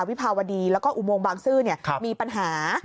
วิภาวดีแล้วก็อุโมงบางซื่อมีปัญหา